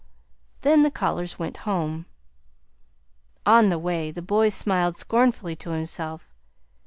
Then the callers went home. On the way the boy smiled scornfully to himself.